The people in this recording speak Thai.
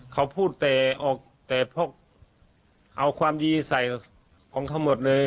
เขาพูดแต่ออกแต่พวกเอาความดีใส่ของเขาหมดเลย